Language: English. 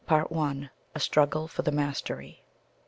A STRUGGLE FOR THE MASTERY.